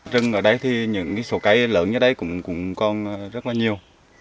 rừng ở đây thì những số cây lớn như đây cũng còn rất là nhiều